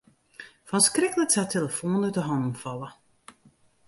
Fan skrik lit se har de telefoan út 'e hannen falle.